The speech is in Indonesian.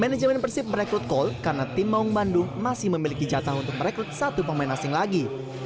manajemen persib merekrut gol karena tim maung bandung masih memiliki jatah untuk merekrut satu pemain asing lagi